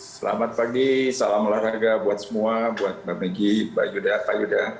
selamat pagi salam olahraga buat semua buat mbak meggy mbak yuda pak yuda